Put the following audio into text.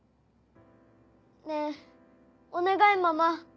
ねぇお願いママ。